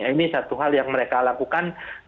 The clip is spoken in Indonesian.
ini satu hal yang mereka lakukan